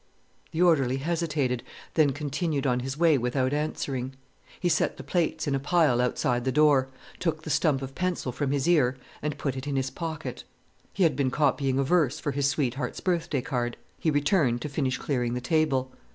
The orderly hesitated, then continued on his way without answering. He set the plates in a pile outside the door, took the stump of pencil from his ear, and put it in his pocket. He had been copying a verse for his sweetheart's birthday card. He returned to finish clearing the table.